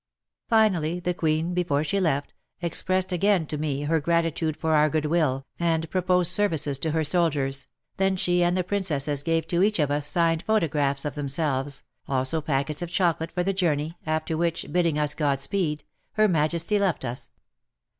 Finally, the Queen, before she left, expressed again to me her gratitude for our goodwill and 68 WAR AND WOMEN proposed services to her soldiers, then she and the Princesses gave to each of us signed photographs of themselves, also packets of chocolate for the journey, after which, bidding us Godspeed, Her Majesty left us.